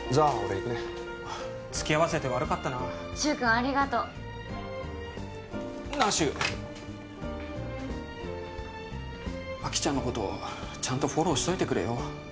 行くね付き合わせて悪かったな柊君ありがとうなあ柊あきちゃんのことちゃんとフォローしといてくれよ